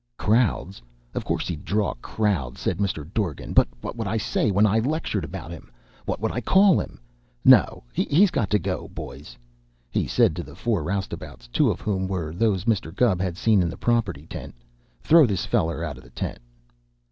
"Crowds? Of course he'd draw crowds," said Mr. Dorgan. "But what would I say when I lectured about him? What would I call him? No, he's got to go. Boys," he said to the four roustabouts, two of whom were those Mr. Gubb had seen in the property tent, "throw this feller out of the tent."